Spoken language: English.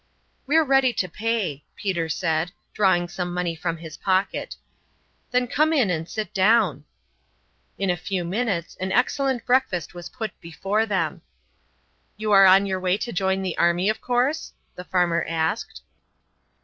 "We're ready to pay," Peter said, drawing some money from his pocket. "Then come in and sit down." In a few minutes an excellent breakfast was put before them. "You are on your way to join the army, of course?" the farmer asked.